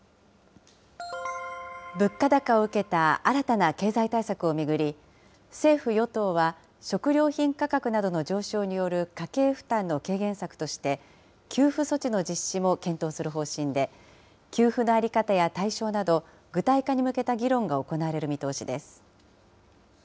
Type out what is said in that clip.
物価高を受けた新たな経済対策を巡り、政府・与党は食料品価格などの上昇による家計負担の軽減策として、給付措置の実施も検討する方針で、給付の在り方や対象など、具体化に向けた議論が行われる見通しです。